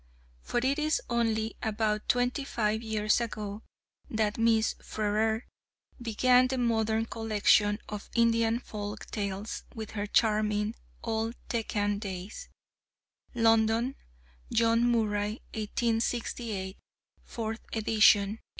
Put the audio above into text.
For it is only about twenty five years ago that Miss Frere began the modern collection of Indian folk tales with her charming "Old Deccan Days" (London, John Murray, 1868; fourth edition, 1889).